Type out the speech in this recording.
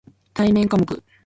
対面科目